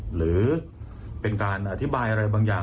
หรือเป็นการอธิบายอะไรบางอย่าง